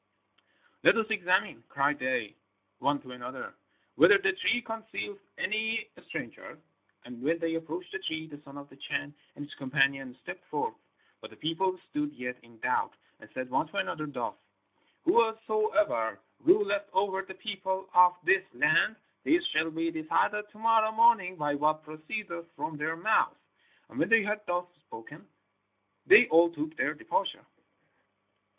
"'Let us examine,' cried they one to another, 'whether the tree concealeth any stranger.' And when they approached the tree the son of the Chan and his companion stepped forth. But the people stood yet in doubt, and said one to another thus, 'Whosoever ruleth over the people of this land, this shall be decided to morrow morning by what proceedeth from their mouths.' And when they had thus spoken, they all took their departure.